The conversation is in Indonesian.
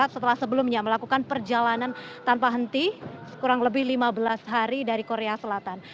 setelah sebelumnya melakukan perjalanan tanpa henti kurang lebih lima belas hari dari korea selatan